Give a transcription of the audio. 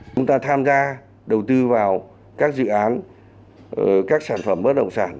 chúng ta tham gia đầu tư vào các dự án các sản phẩm bất động sản